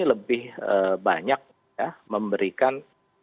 lebih banyak memberikan